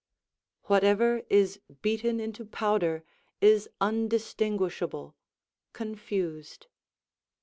["Whatever is beaten into powder is undistinguishable (confused)."